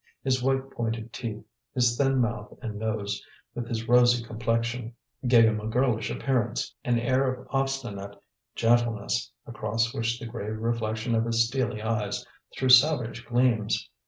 His white pointed teeth, his thin mouth and nose, with his rosy complexion, gave him a girlish appearance, an air of obstinate gentleness, across which the grey reflection of his steely eyes threw savage gleams.